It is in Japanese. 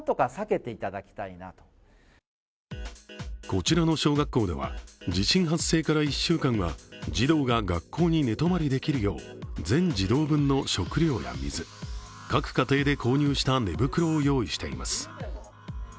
こちらの小学校では、地震発生から１週間は児童が学校に寝泊まりできるよう全児童分の食料や水各家庭で購入した寝袋を用意しています。